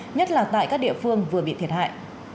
nhất là tại các địa phương vừa bị thiệt hại